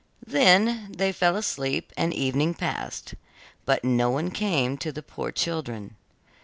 Then they fell asleep and evening passed, but no one came to the poor children.